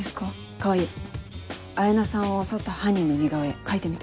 川合彩菜さんを襲った犯人の似顔絵描いてみて。